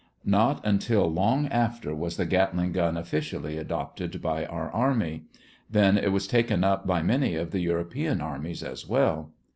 Not until long after was the Gatling gun officially adopted by our army. Then it was taken up by many of the European armies as well.